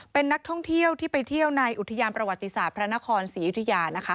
เป็นนักท่องเที่ยวที่ไปเที่ยวในอุทยานประวัติศาสตร์พระนครศรีอยุธยานะคะ